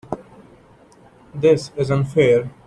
This is unfair.